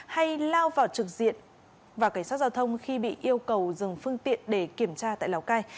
hay lao vào trực diện vào cảnh sát giao thông khi bị yêu cầu dừng phương tiện để kiểm tra tại lào cai